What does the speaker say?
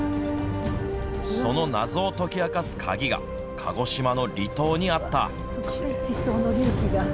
その謎を解き明かす鍵が、鹿児島の離島にあった。